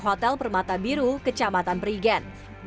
hotel permata biru kecamatan perigen